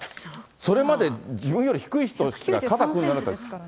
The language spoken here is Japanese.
それまで自分より低い人としか肩組んでなかった。